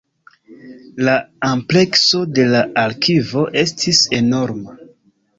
La amplekso de la arkivo estis enorma.